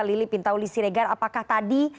lili pintauli siregar apakah tadi